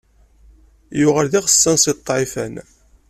Yuɣal d iɣsan si ṭṭiɛfan.